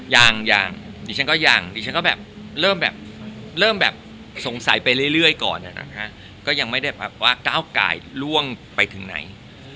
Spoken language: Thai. ยังยังดิฉันก็ยังดิฉันก็แบบเริ่มแบบเริ่มแบบสงสัยไปเรื่อยก่อนนะฮะก็ยังไม่ได้แบบว่าก้าวไก่ล่วงไปถึงไหน